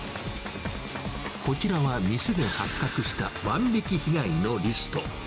こちらは店で発覚した万引き被害のリスト。